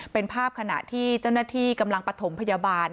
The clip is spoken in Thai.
เป็นภาพขณะที่เจ้าหน้าที่กำลังปฐมพยาบาล